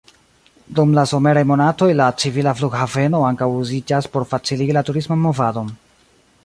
Dum la someraj monatoj la civila flughaveno ankaŭ uziĝas por faciligi la turisman movadon.